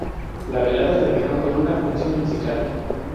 La velada terminó con una función musical.